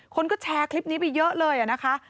คนก็แชร์คลิปนี้ไปเยอะเลยนะคะ